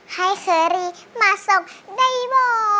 ให้เสรีมาส่งได้บ่